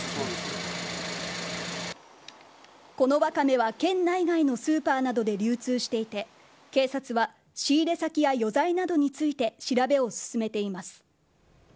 このわかめは県内外のスーパーなどで流通していて、警察は仕入れ先や余罪などについて調べを進めています。